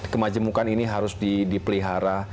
kemajemukan ini harus dipelihara